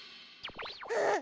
あっ。